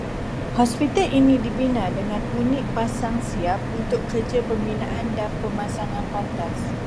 Hospital ini dibina dengan unit pasang siap untuk kerja pembinaan dan pemasangan pantas